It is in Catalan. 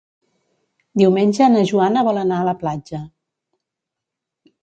Diumenge na Joana vol anar a la platja.